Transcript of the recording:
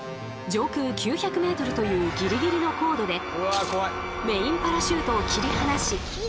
上空９００ｍというギリギリの高度でメインパラシュートを切り離し